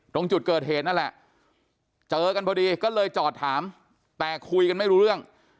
ตรงจุดเกิดเหตุนั่นแหละเจอกันพอดีก็เลยจอดถามแต่คุยกันไม่รู้เรื่อง